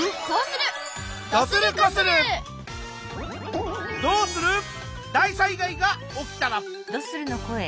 こうする！